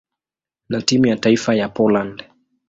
na timu ya taifa ya Poland.